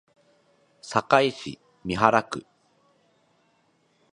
堺市美原区